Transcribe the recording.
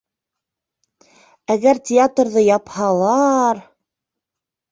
Әгәр театрҙы япһалар...